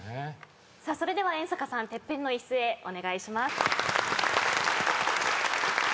それでは遠坂さんＴＥＰＰＥＮの椅子へお願いします。